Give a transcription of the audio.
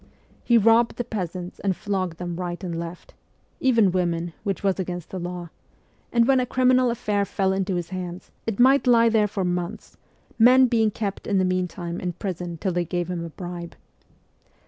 He robbed the peasants and flogged them right and left even women, which was against the law; and when a criminal affair fell into his hands, it might lie there for months, men being kept in the meantime in prison till they gave him a bribe.